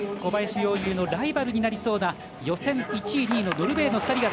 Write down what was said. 小林陵侑のライバルになりそうな予選１位、２位のノルウェーの２人。